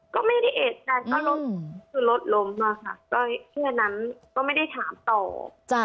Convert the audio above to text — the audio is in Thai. ก็ไม่ได้เอกใจก็รถล้มมาค่ะเพราะฉะนั้นก็ไม่ได้ถามตอบ